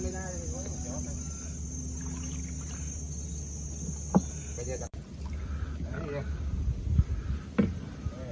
น้ำมันเป็นสิ่งที่สุดท้ายที่สามารถทำให้ทุกคนรู้สึกว่า